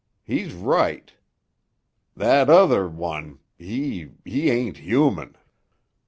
He's right. That other ——, he—he ain't human."